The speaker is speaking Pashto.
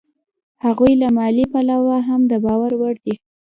هغوی له مالي پلوه هم د باور وړ دي